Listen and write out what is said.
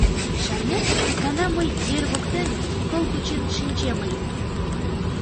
Шарнет, икана мый ер воктене кол кучен шинчем ыле.